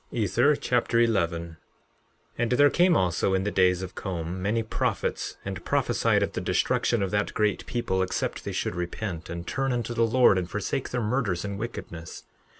Ether Chapter 11 11:1 And there came also in the days of Com many prophets, and prophesied of the destruction of that great people except they should repent, and turn unto the Lord, and forsake their murders and wickedness.